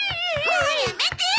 もうやめてよ！